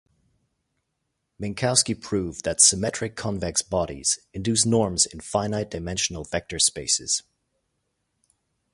Minkowski proved that symmetric convex bodies induce norms in finite-dimensional vector spaces.